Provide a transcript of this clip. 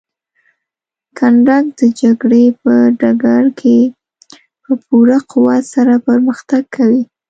کنډک د جګړې په ډګر کې په پوره قوت سره پرمختګ کوي.